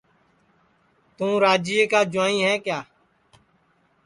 تُوں راجِئے کا جُوائیں ہے کِیا